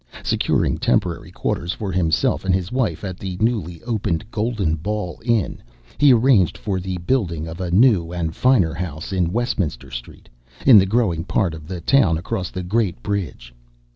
Securing temporary quarters for himself and his wife at the newly opened Golden Ball Inn, he arranged for the building of a new and finer house in Westminster Street, in the growing part of the town across the Great Bridge.